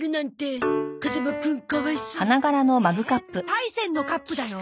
パイセンのカップだよ。